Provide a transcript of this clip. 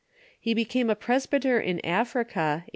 He became a presbyter in Africa, A.